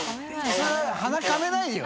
當鼻かめないよ。